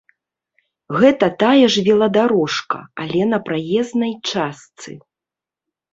Гэта тая ж веладарожка, але на праезнай частцы.